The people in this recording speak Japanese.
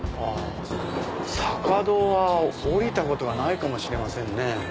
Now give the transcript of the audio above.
坂戸は降りたことがないかもしれませんね。